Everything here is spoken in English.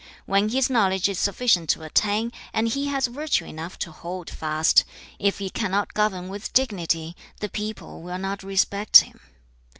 'When his knowledge is sufficient to attain, and he has virtue enough to hold fast, if he cannot govern with dignity, the people will not respect him.